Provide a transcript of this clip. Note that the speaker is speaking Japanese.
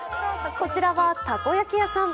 こちらはたこ焼き屋さん